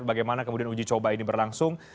bagaimana kemudian uji coba ini berlangsung